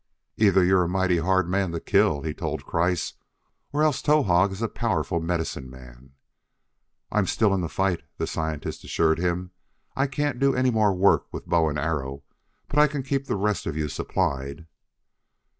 "Either you're a 'mighty hard man to kill,'" he told Kreiss, "or else Towahg is a powerful medicine man." "I am still in the fight," the scientist assured him. "I can't do any more work with bow and arrow, but I can keep the rest of you supplied."